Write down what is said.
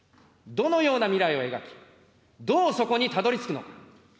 どのような未来を描き、どうそこにたどりつくのか。